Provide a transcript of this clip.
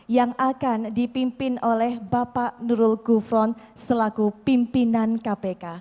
yang akan dipimpin oleh bapak nurul gufron selaku pimpinan kpk